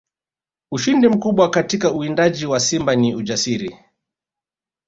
Ushindi mkubwa katika uwindaji wa simba ni ujasiri